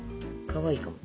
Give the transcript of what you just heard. かわいいかも。